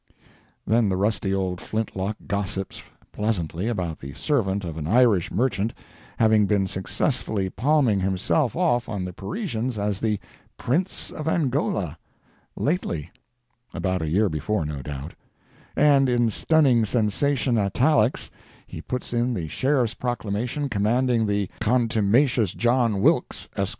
Then the rusty old flint lock gossips pleasantly about the servant of an Irish merchant having been successfully palming himself off on the Parisians as the "Prince of Angola"—"lately"—(about a year before, no doubt); and in stunning sensation italics he puts in the Sheriff's proclamation commanding the contumacious John Wilkes, Esq.